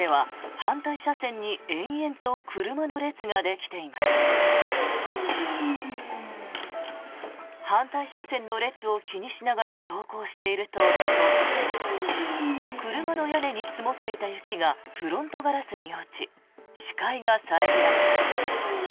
反対車線の列を気にしながら走行していると、突然車の屋根に積もっていた雪がフロントガラスに落ち視界が遮られます。